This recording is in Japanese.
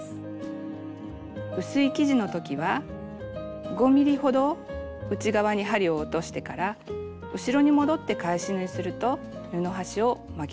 薄い生地のときは５ｍｍほど内側に針を落としてから後ろに戻って返し縫いすると布端を巻き込みにくくなります。